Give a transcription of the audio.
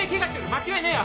間違いねえわ。